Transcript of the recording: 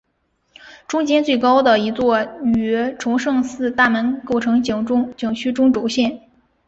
中间最高的一座与崇圣寺大门构成景区中轴线。